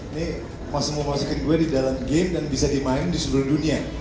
ini mas semua masyarakat gue di dalam game dan bisa dimainkan di seluruh dunia